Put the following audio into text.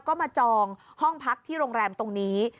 ก็มาจองห้องพักที่โรงแรมตรงนี้